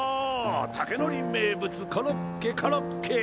たけのり名物コロッケコロッケ！